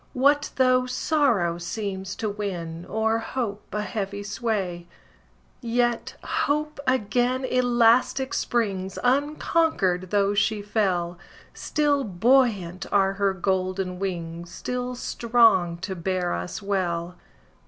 What though sorrow seems to win, O'er hope, a heavy sway? Yet Hope again elastic springs, Unconquered, though she fell; Still buoyant are her golden wings, Still strong to bear us well.